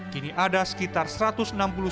kini ada sekitar seratus desa yang berpengaruh